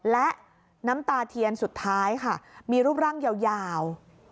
และน้ำตาเทียนสุดท้ายค่ะมีรูปร่างยาว